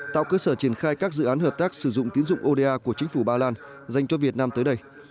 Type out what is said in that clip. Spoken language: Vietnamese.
tạo cơ sở triển khai các dự án hợp tác sử dụng tiến dụng oda của chính phủ ba lan dành cho việt nam tới đây